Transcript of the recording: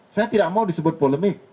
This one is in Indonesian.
saya tidak mau disebut polemik